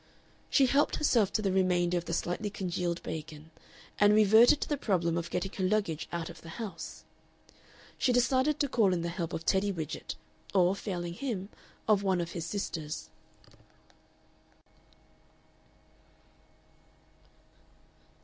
She helped herself to the remainder of the slightly congealed bacon, and reverted to the problem of getting her luggage out of the house. She decided to call in the help of Teddy Widgett, or, failing him, of one of his sisters.